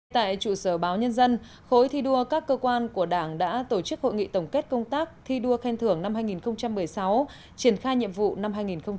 tại trụ sở báo nhân dân khối thi đua các cơ quan của đảng đã tổ chức hội nghị tổng kết công tác thi đua khen thưởng năm hai nghìn một mươi sáu triển khai nhiệm vụ năm hai nghìn một mươi chín